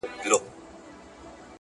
زما گلاب زما سپرليه، ستا خبر نه راځي.